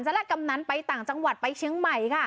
แรกกำนันไปต่างจังหวัดไปเชียงใหม่ค่ะ